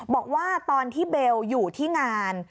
บอกว่าตอนที่เบลอยู่ที่งาน